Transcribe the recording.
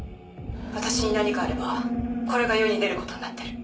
私に何かあればこれが世に出ることになってる。